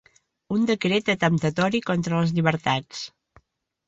Un decret atemptatori contra les llibertats.